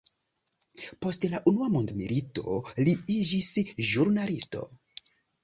Post la unua mondmilito li iĝis ĵurnalisto.